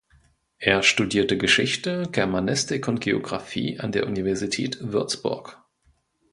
Er studierte Geschichte, Germanistik und Geographie an der Universität Würzburg.